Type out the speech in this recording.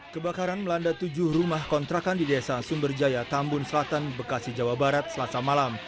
kebakaran melanda tujuh rumah kontrakan di desa sumberjaya tambun selatan bekasi jawa barat selasa malam